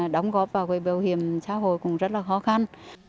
đóng góp vào bảo hiểm xã hội cũng rất là khó khăn